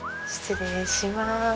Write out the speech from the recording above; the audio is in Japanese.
失礼します。